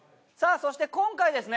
そして今回ですね